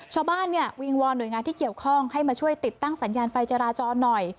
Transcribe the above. ชาวบ้านเนี่ยวิงวอนหน่วยงานที่เกี่ยวข้องให้มาช่วยติดตั้งสัญญาณไฟจราจรหน่อย